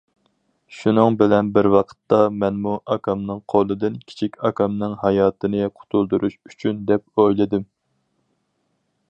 شۇنىڭ بىلەن بىر ۋاقىتتا مەنمۇ ئاكامنىڭ قولىدىن كىچىك ئاكامنىڭ ھاياتىنى قۇتۇلدۇرۇش ئۈچۈن دەپ ئويلىدىم.